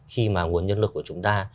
khi mà nguồn nhân lực của chúng ta